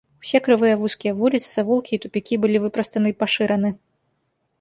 Усе крывыя, вузкія вуліцы, завулкі і тупікі былі выпрастаны і пашыраны.